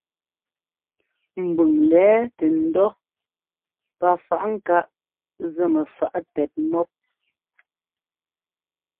Mbʉŋ lɛɛ tɛ ńdɔ́ pafaꞌŋkáꞌ zɛ mɛfaꞌ tɛt mɔ́p.